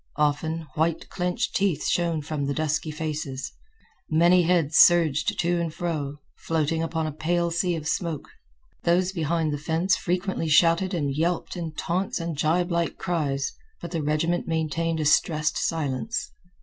Often, white clinched teeth shone from the dusky faces. Many heads surged to and fro, floating upon a pale sea of smoke. Those behind the fence frequently shouted and yelped in taunts and gibelike cries, but the regiment maintained a stressed silence.